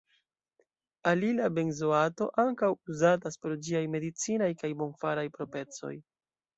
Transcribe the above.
Alila benzoato ankaŭ uzatas pro ĝiaj medicinaj kaj bonfaraj proprecoj.